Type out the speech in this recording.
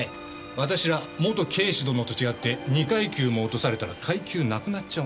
私ら元警視殿と違って２階級も落とされたら階級なくなっちゃうんで。